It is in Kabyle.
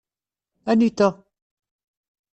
Anita?